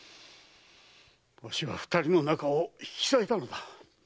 わしは二人の仲を引き裂いたのだ。